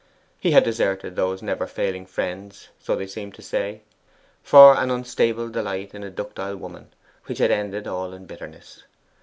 He had deserted those never failing friends, so they seemed to say, for an unstable delight in a ductile woman, which had ended all in bitterness.